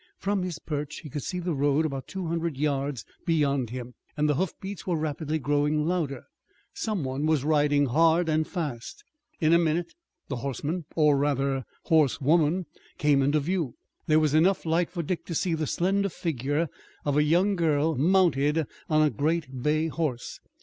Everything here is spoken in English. From his perch he could see the road about two hundred yards beyond him, and the hoof beats were rapidly growing louder. Some one was riding hard and fast. In a minute the horseman or rather horsewoman, came into view. There was enough light for Dick to see the slender figure of a young girl mounted on a great bay horse.